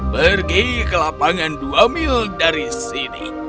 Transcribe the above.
pergi ke lapangan dua mil dari sini